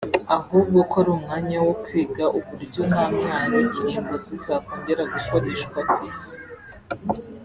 ahubwo ko ari umwanya wo kwiga uburyo nta ntwaro kirimbuzi zakongera gukoreshwa ku isi